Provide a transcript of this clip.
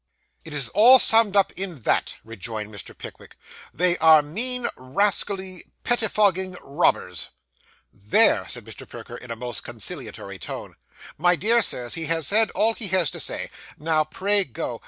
'It is all summed up in that,' rejoined Mr. Pickwick; 'they are mean, rascally, pettifogging robbers.' 'There!' said Perker, in a most conciliatory tone. 'My dear sirs, he has said all he has to say. Now pray go.